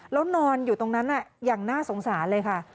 แล้วนอนอยู่ตรงนั้นอย่างน่าสงสารเลยค่ะ